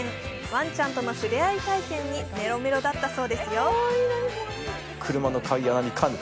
ワンちゃんとの触れ合い体験にメロメロだったそうですよ。